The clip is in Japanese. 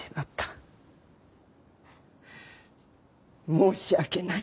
申し訳ない！